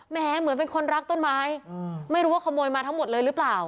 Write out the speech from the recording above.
เหมือนเป็นคนรักต้นไม้ไม่รู้ว่าขโมยมาทั้งหมดเลยหรือเปล่า